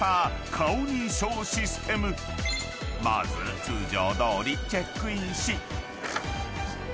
［まず通常どおりチェックインし］